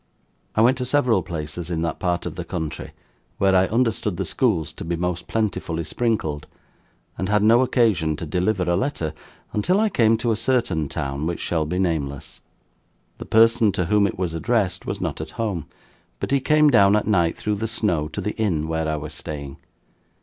I went to several places in that part of the country where I understood the schools to be most plentifully sprinkled, and had no occasion to deliver a letter until I came to a certain town which shall be nameless. The person to whom it was addressed, was not at home; but he came down at night, through the snow, to the inn where I was staying.